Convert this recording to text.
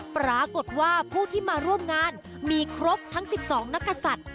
ปรากฏว่าผู้ที่มาร่วมงานมีครบทั้ง๑๒นักศัตริย์